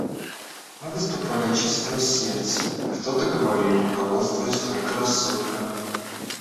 Мы выступали от чистого сердца; кто-то говорил, руководствуясь только рассудком.